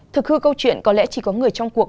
thực hư câu chuyện có lẽ chỉ có người trong cuộc